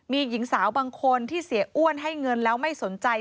มีหญิงสาวบางคนที่เสียอ้วนให้เงินแล้วไม่สนใจ